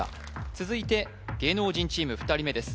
続いて芸能人チーム２人目です